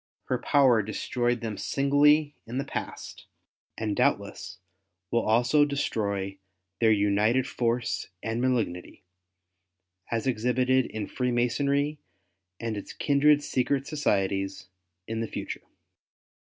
Her power destroyed them singly in the past, and doubtless will also destroy their united force and malignity, as exhibited in Free masonry and its kindred secret societies, in the future.